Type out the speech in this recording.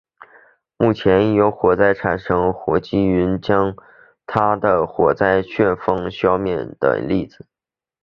目前已经有火灾产生的火积云将产生它的火灾旋风消灭的例子。